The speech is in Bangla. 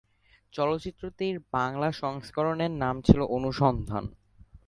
চলচ্চিত্রটির বাংলা সংস্করণের নাম ছিলো 'অনুসন্ধান'।